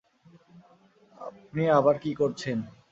আপনি আবার কি করছেন?